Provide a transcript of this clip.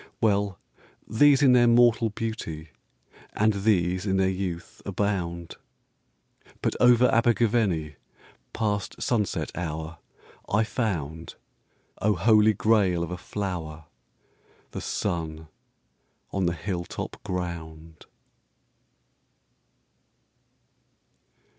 Well: these in their mortal beauty, And these in their youth, abound. But over Abergavenny, Past sunset hour, I found (O Holy Grail of a flower!) The sun on the hilltop ground.